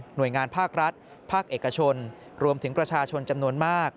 โดยงานภาครัฐภาคเอกชนรวมถึงประชาชนจำนวนมาก